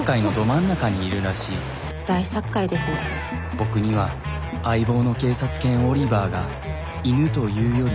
僕には相棒の警察犬オリバーが犬というより。